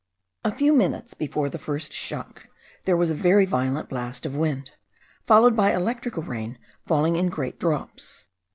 A few minutes before the first shock there was a very violent blast of wind, followed by electrical rain falling in great drops.